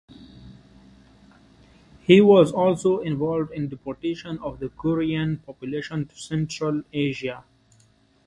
He was also involved in the deportation of the Korean population to Central Asia.